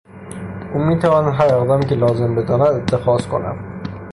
او میتواند هر اقدامی که لازم بداند اتخاذ کند.